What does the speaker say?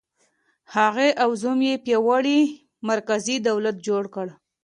هغې او زوم یې پیاوړی مرکزي دولت جوړ کړ.